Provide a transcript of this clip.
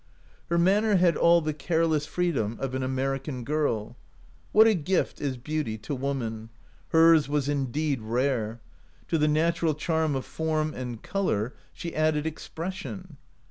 Her manner had all the careless freedom of an American girl. What a gift is beauty to woman! Hers was indeed rare. To the natural charm of form and color she added expression.